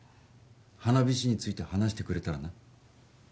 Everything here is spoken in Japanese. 花火師について話してくれたらな